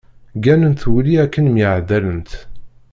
Gganent wulli akken myaɛdalent.